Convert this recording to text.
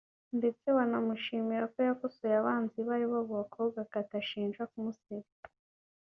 ndetse banamushimira ko yakosoye abanzi be aribo abo bakobwa Kate ashinja kumusebya